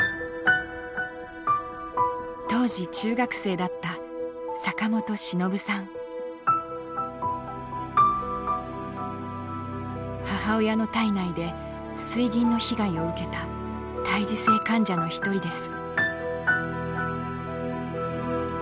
当時中学生だった母親の胎内で水銀の被害を受けた胎児性患者の一人です。